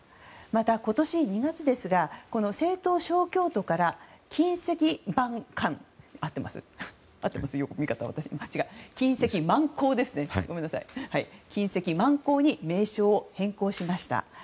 また今年２月ですが盛唐・小京都から金石万巷に名称を変更しました。